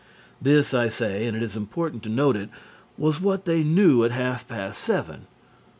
This, I say, and it is important to note it, was what they knew at half past seven.